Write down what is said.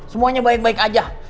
semuanya baik baik aja